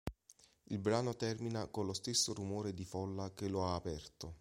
Il brano termina con lo stesso rumore di folla che lo ha aperto.